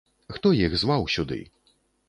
Хто іх зваў сюды?